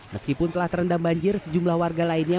meskipun telah terendam banjir sejumlah warga lainnya